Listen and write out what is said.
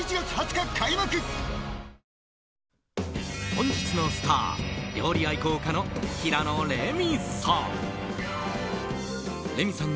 本日のスター料理愛好家の平野レミさん。